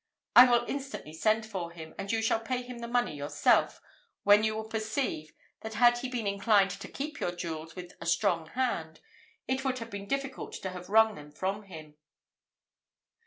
I will instantly send for him, and you shall pay him the money yourself, when you will perceive, that had he been inclined to keep your jewels with a strong hand, it would have been difficult to have wrung them from him."